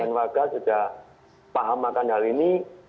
dan warga sudah paham akan hal ini